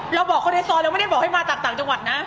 เราบอกคนในซอยเราไม่ได้บอกให้มาจากต่างจังหวัดนะ